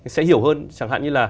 sẽ hiểu hơn chẳng hạn như là